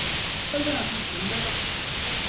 Ay aεziz melmi ara k-ẓreɣ.